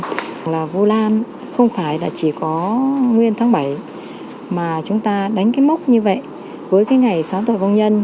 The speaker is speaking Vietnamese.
phần phong mỹ là phu lan không phải chỉ có nguyên tháng bảy mà chúng ta đánh cái mốc như vậy với cái ngày sáng tội vong nhân